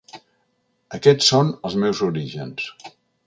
Aquests són els meus orígens.